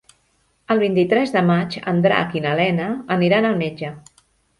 El vint-i-tres de maig en Drac i na Lena aniran al metge.